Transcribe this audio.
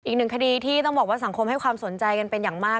อีกหนึ่งคดีที่ต้องบอกว่าสังคมให้ความสนใจกันเป็นอย่างมาก